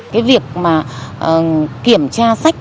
cái việc mà kiểm tra sách